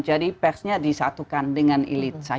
jadi persnya disatukan dengan elit saja